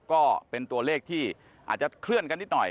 ก็เป็นตัวเลขที่อาจจะเคลื่อนกันนิดหน่อย